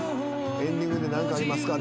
エンディングで「何かありますか？」